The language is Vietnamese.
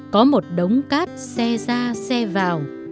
có một đống cát xe ra xe vào